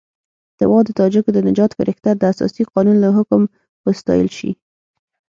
ته وا د تاجکو د نجات فرښته د اساسي قانون له حکم وستایل شي.